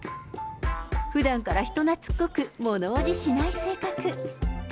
ふだんから人なつっこく、ものおじしない性格。